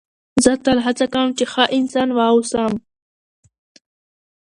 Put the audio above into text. زه تل هڅه کوم، چي ښه انسان واوسم.